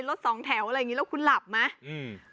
รถสองแถวอะไรอย่างนี้แล้วคุณหลับไหมอืม